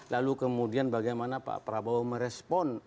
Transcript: lalu kemudian bagaimana pak prabowo merespon